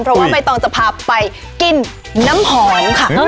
เพราะว่าใบตองจะพาไปกินน้ำหอมค่ะ